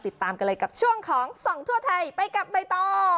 ติดตามกันเลยกับช่วงของส่องทั่วไทยไปกับใบตอง